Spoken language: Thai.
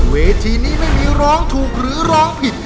เวทีนี้ไม่มีร้องถูกหรือร้องผิด